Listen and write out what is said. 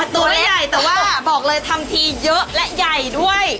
ตัวไม่ใหญ่แต่ว่าบอกเลยทำทีเยอะและใหญ่ด้วย